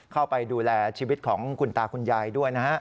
เข้าไปดูแลชีวิตของคุณตาคุณยายด้วยนะฮะ